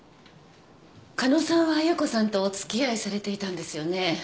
加納さんは夕子さんとお付き合いされていたんですよね。